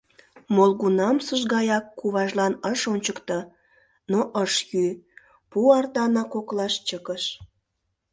Молыгунамсыж гаяк куважлан ыш ончыкто, но ыш йӱ, пу артана коклаш чыкыш.